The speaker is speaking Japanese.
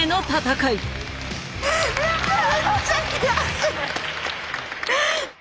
めっちゃ悔しい！